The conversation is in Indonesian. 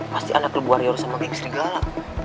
pasti anak lo buah rioro sama geng serigala